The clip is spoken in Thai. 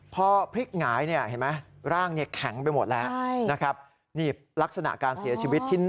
พอพริกหงายร่างแข็งไปหมดแล้ว